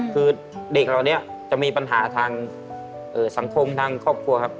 คือเด็กเหล่านี้จะมีปัญหาทางสังคมทางครอบครัวครับ